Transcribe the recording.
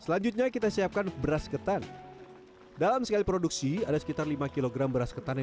selanjutnya kita siapkan beras ketan dalam sekali produksi ada sekitar lima kg beras ketan yang